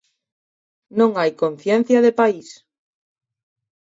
Non hai conciencia de país.